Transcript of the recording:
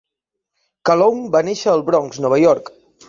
Calhoun va néixer al Bronx, Nova York.